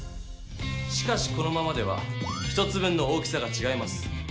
しかしこのままでは１つ分の大きさがちがいます。